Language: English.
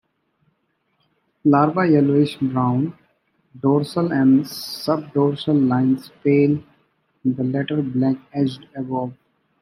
Larva yellowish brown; dorsal and subdorsal lines pale, the latter black -edged above.